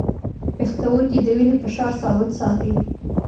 پښتورګي د وینې فشار ثابت ساتي.